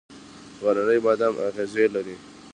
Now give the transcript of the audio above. غرنی بادام اغزي لري؟